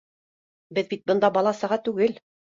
Беҙ бит бында бала-саға түгел